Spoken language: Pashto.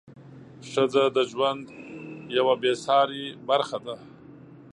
ښځه د ژوند یوه بې سارې برخه ده.